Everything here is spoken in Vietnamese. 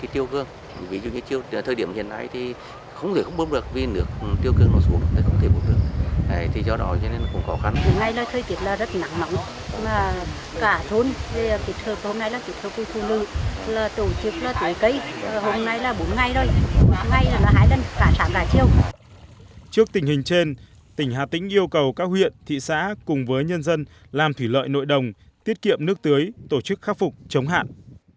trước tình hình trên tỉnh hà tĩnh yêu cầu các huyện thị xã cùng với nhân dân làm thủy lợi nội đồng tiết kiệm nước tưới tổ chức khắc phục chống hạn